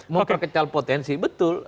memperkecil potensi betul